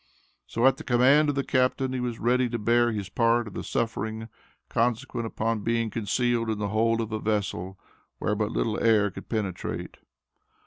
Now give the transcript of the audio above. So, at the command of the captain, he was ready to bear his part of the suffering consequent upon being concealed in the hold of a vessel, where but little air could penetrate.